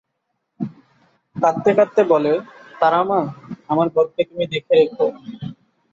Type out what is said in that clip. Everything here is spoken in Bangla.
কাঁদতে কাঁদতে বলে " তারা মা, আমার বরকে তুমি দেখে রেখো।